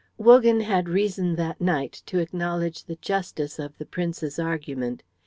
Wogan had reason that night to acknowledge the justice of the Prince's argument.